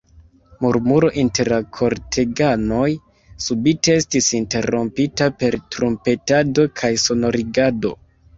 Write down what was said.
Murmuro inter la korteganoj subite estis interrompita per trumpetado kaj sonorigado.